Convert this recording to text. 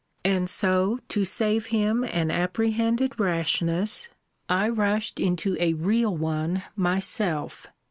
And so to save him an apprehended rashness, I rushed into a real one myself.